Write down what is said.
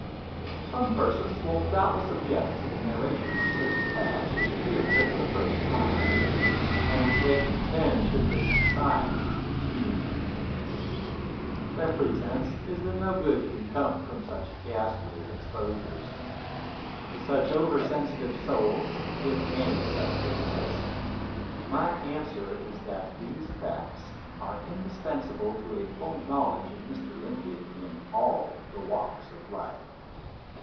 " Some persons will doubtless object to the narra tion of certain facts which appear here for the first time, and which they contend should have been consigned to the tomb. Their pretense is that no good can come from such ghastly exposures. To such over sensitive souls, if any such exist, my answer is that these facts are indispensable to a full knowledge of Mr. Lincoln in all the walks of life.